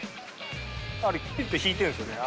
あれピュッと引いてるんですよね。